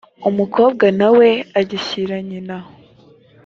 umukobwa na we agishyira nyina